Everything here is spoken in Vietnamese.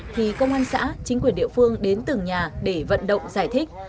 thì công an xã chính quyền địa phương đến từng nhà để vận động giải thích